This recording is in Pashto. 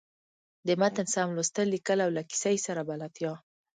د متن سم لوستل، ليکل او له کیسۍ سره بلدتیا.